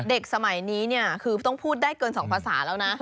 เด็กสมัยนี้คือต้องพูดได้เกิน๒ภาษาแล้วนะ